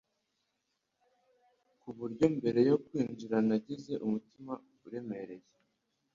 ku buryo mbere yo kwinjira nagize umutima uremereye